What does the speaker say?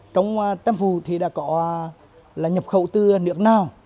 trong tém phù thì đã có nhập khẩu từ nước nào